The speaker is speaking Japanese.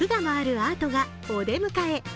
アートがお出迎え。